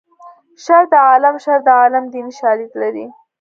شر د عالم شر د عالم دیني شالید لري